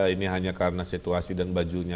ini hanya karena situasi dan bajunya